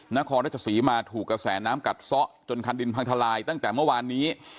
นครราชสีมาถูกกระแสน้ำกัดซะจนคันดินพังทลายตั้งแต่เมื่อวานนี้